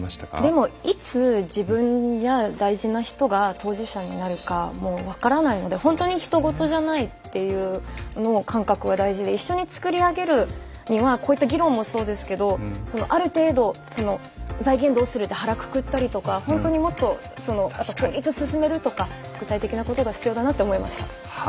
でもいつ自分や大事な人が当事者になるかも分からないので本当にひと事じゃないっていう感覚が大事で一緒に作り上げるにはこういった議論もそうですけどある程度「財源どうする？」で腹くくったりとか本当にもっといつ進めるとか具体的なことが必要だなって思いました。